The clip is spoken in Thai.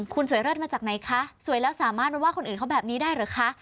คุณสวยเลิศมาจากไหนคะสวยแล้วสามารถมาว่าคนอื่นเขาแบบนี้ได้หรือคะ